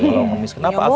kalau ngemis kenapa aki